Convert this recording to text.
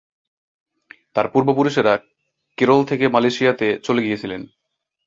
তাঁর পূর্বপুরুষেরা কেরল থেকে মালয়েশিয়া-তে চলে গিয়েছিলেন।